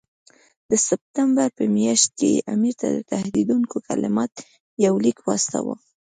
د سپټمبر په میاشت کې یې امیر ته د تهدیدوونکو کلماتو یو لیک واستاوه.